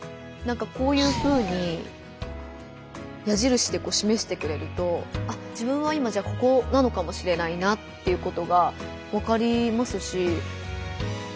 こういうふうに矢じるしでしめしてくれるとあっ自分は今じゃあここなのかもしれないなということがわかりますし。